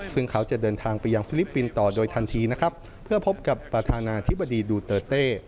ซึ่งเขาจะเดินทางไปยังฟิลิปปินส์ต่อโดยทันทีนะครับเพื่อพบกับประธานาธิบดีดูเตอร์เต้